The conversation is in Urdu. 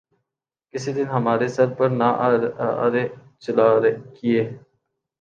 کس دن ہمارے سر پہ نہ آرے چلا کیے